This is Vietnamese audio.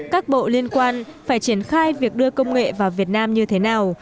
các bộ liên quan phải triển khai việc đưa công nghệ vào việt nam như thế nào